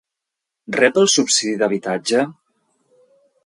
Rep el subsidi d'habitatge?